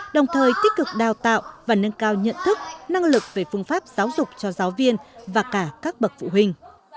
đồng thời tích cực đào tạo và nâng cao nhận thức năng lực về phương pháp giáo dục cho giáo viên và cả các bậc phụ huynh